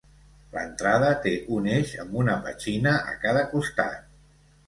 L'entrada té un eix amb una petxina a cada costat.